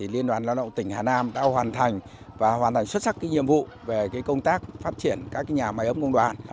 liên đoàn lao động tỉnh hà nam đã hoàn thành xuất sắc nhiệm vụ về công tác phát triển các nhà máy ấm công đoàn